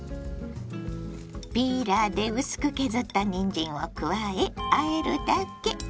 ピーラーで薄く削ったにんじんを加えあえるだけ。